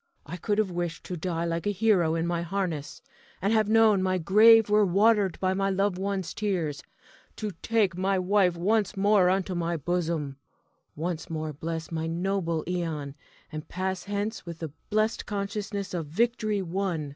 I could have wished to die like a hero in my harness, and have known my grave were watered by my loved one's tears; to take my wife once more unto my bosom; once more bless my noble Ion; and pass hence with the blest consciousness of victory won.